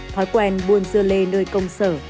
thói quen buôn dưa lê nơi công sở